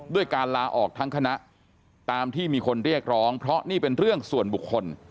ด้วยการลาออกทั้งคณะตามที่มีคนเรียกร้องเพราะนี่เป็นเรื่องส่วนบุคคล